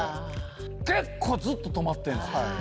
結構ずっと止まってるんですよ。